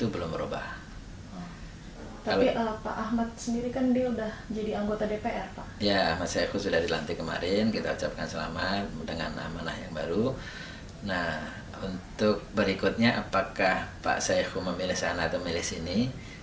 pertanyaan terakhir apakah pak syaiqo memilih sana atau sini